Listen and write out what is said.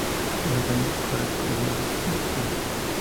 En sus años escolares perdió a sus dos padres.